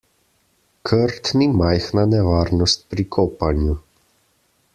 Krt ni majhna nevarnost pri kopanju.